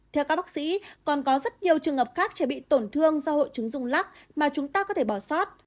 theo các bác sĩ còn có rất nhiều trường hợp khác trẻ bị tổn thương do hội chứng rung lắc mà chúng ta có thể bỏ sót